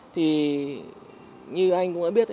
thì như anh cũng đã biết